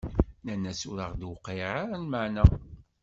Nnan-as: Ur aɣ-d-tewqiɛ ara lmeɛna!